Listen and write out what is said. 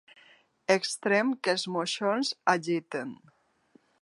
Extrem que els moixons agiten.